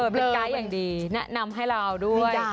เป็นไกด์อย่างดีแนะนำให้เราด้วย